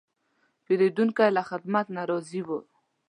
پیرودونکی له خدمت نه راضي و.